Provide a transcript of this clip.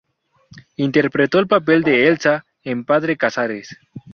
Interpretó el papel de Elsa en Padre Casares.